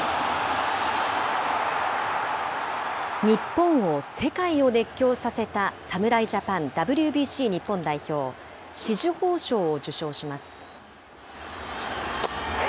日本を、世界を熱狂させた侍ジャパンＷＢＣ日本代表、紫綬褒章を受章します。